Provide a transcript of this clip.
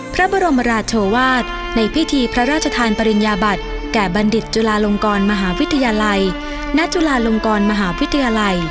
พระบรมราชวาสในพิธีพระราชทานปริญญาบัติแก่บัณฑิตจุลาลงกรมหาวิทยาลัย